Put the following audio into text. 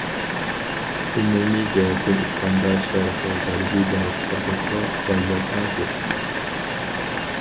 ئومۇمىي جەھەتتىن ئېيتقاندا، شەرقىي، غەربىي دېڭىز قىرغىقىدا بايلار ئەڭ كۆپ.